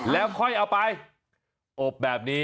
แล้วค่อยเอาไปอบแบบนี้